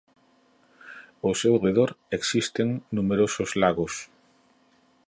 Ao seu redor existen numerosos lagos.